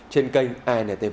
trên kênh antv